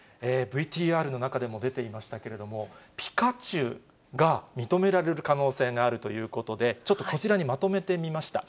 ＶＴＲの中でも出ていましたけれども、ぴかちゅうが認められる可能性があるということで、ちょっとこちらにまとめてみました。